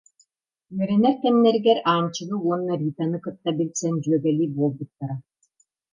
Үөрэнэр кэмнэригэр Аанчыгы уонна Ританы кытта билсэн, дьүөгэлии буолбуттара.